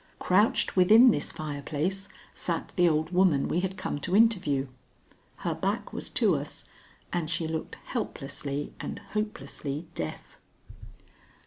Crouched within this fireplace sat the old woman we had come to interview. Her back was to us, and she looked helplessly and hopelessly deaf.